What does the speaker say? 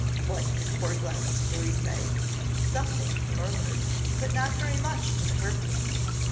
What could poor Glastonbury say? Something he murmured, but not very much to the purpose.